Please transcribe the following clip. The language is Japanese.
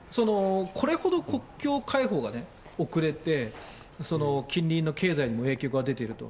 これほど国境開放が遅れて、近隣の経済への影響が出ていると。